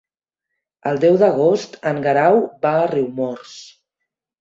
El deu d'agost en Guerau va a Riumors.